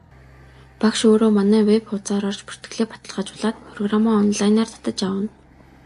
Багш өөрөө манай веб хуудсаар орж бүртгэлээ баталгаажуулаад программаа онлайнаар татаж авна.